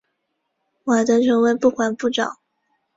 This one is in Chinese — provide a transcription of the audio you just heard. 瓦德成为不管部长。